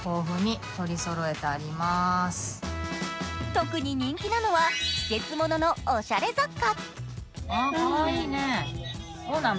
特に人気なのは、季節もののおしゃれ雑貨。